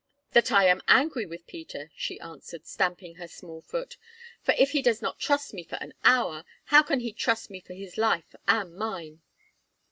"That I am angry with Peter," she answered, stamping her small foot, "for if he does not trust me for an hour, how can he trust me for his life and mine?"